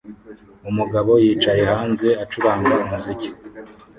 Umugabo yicaye hanze acuranga umuziki